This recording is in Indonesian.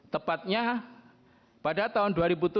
tepatnya pada tahun dua ribu tujuh